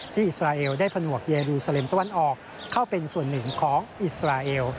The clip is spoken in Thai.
อิสราเอลได้ผนวกเยรูเสลมตะวันออกเข้าเป็นส่วนหนึ่งของอิสราเอล